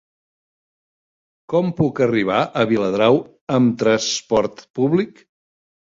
Com puc arribar a Viladrau amb trasport públic?